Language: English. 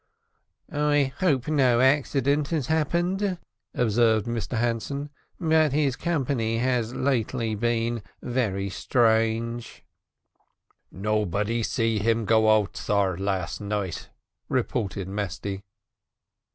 "I hope no accident has happened," observed Mr Hanson; "but his company has lately been very strange." "Nobody see him go out, sar, last night," reported Mesty.